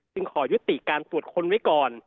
ขอยุติการตรวจค้นไว้ก่อน